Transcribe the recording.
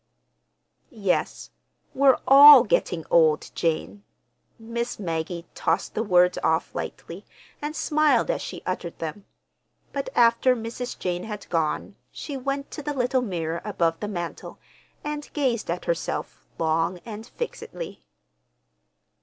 "Yes, we're all—getting old, Jane." Miss Maggie tossed the words off lightly, and smiled as she uttered them. But after Mrs. Jane had gone, she went to the little mirror above the mantel and gazed at herself long and fixedly.